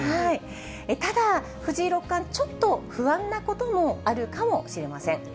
ただ、藤井六冠、ちょっと不安なこともあるかもしれません。